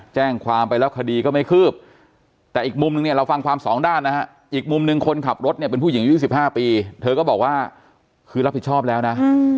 แจ้งความไปแล้วคดีก็ไม่คืบแต่อีกมุมนึงเนี่ยเราฟังความสองด้านนะฮะอีกมุมหนึ่งคนขับรถเนี่ยเป็นผู้หญิงอายุ๑๕ปีเธอก็บอกว่าคือรับผิดชอบแล้วนะ